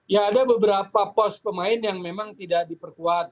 ya ada beberapa pos pemain yang memang tidak diperkuat